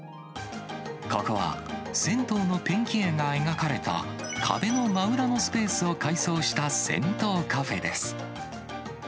ここは、銭湯のペンキ絵が描かれた壁の真裏のスペースを改装した銭湯カフェです。